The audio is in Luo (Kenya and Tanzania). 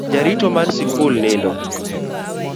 Jarito mar sikul nindo.